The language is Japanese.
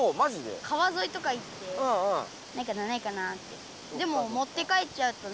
川ぞいとか行ってないかなないかなって。